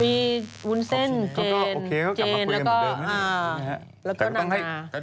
วุ้นเซ่นเจนเจนแล้วก็อ่าแล้วก็นางนา